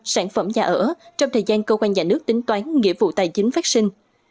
sản phẩm nhà ở trong thời gian cơ quan nhà nước tính toán nghĩa vụ tài chính phát sinh